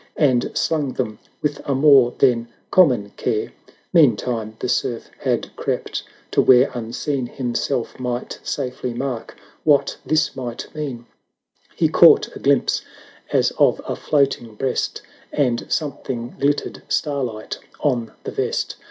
And slung them with a more than com mon care. 1220 Meantime the Serf had crept to where unseen Himself might safely mark what this might mean; He caught a glimpse, as of a floating breast, And something glittered starlight on the vest.